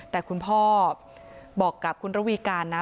แต่คุณพ่อบอกกับคุณระวีการนะ